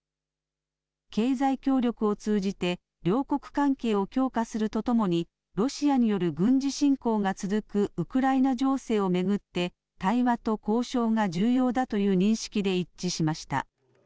経済協力を通じて、両国関係を強化するとともに、ロシアによる軍事侵攻が続くウクライナ情勢を巡って、対話と交渉が重要だという認識で一致しました。